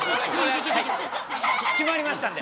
決まりましたんで。